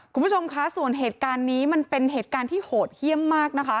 คุณผู้ชมคะส่วนเหตุการณ์นี้มันเป็นเหตุการณ์ที่โหดเยี่ยมมากนะคะ